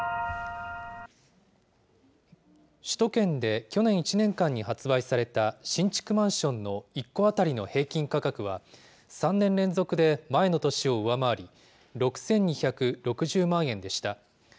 首都圏で去年１年間に発売された新築マンションの１戸当たりの平均価格は、３年連続で前の年を上回り、６２６０万円でした。